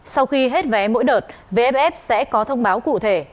sau khi hết vé mỗi đợt vff sẽ có thông báo cụ thể